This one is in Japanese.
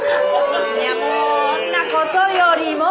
もうんなことよりも！